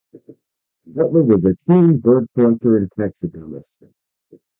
Butler was a keen bird collector and taxidermist.